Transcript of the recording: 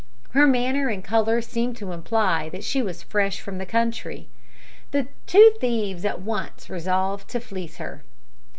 Her manner and colour seemed to imply that she was fresh from the country. The two thieves at once resolved to fleece her.